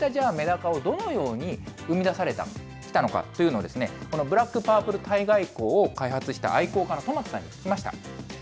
こういったメダカを、どのように生み出されてきたのかというのをこのブラックパープル体外光を開発した愛好家の戸松さんに聞きました。